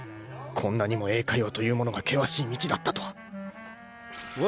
こんなにも英会話というものが険しい道だったとは